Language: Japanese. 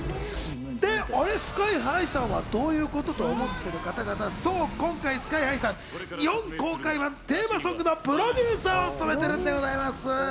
ＳＫＹ−ＨＩさんはどういうこと？と思ってる方々、そう今回、ＳＫＹ−ＨＩさんは日本公開版テーマソングのプロデューサーを務めているんでございます。